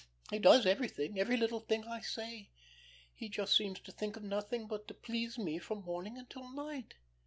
He does everything, every little thing I say. He just seems to think of nothing else but to please me from morning until night.